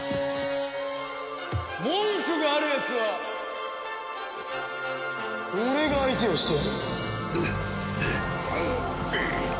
文句があるやつは俺が相手をしてやる。